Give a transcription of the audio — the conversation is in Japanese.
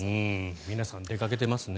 皆さん出かけてますね。